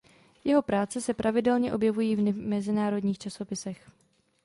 Jeho práce se pravidelně objevují v mezinárodních časopisech.